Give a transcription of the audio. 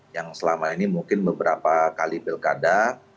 yang selama ini mungkin beberapa kali pilkada